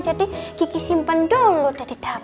jadi gigi simpen dulu udah di dapur